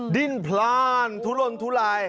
ดิ้นพลานทุลนทุลาย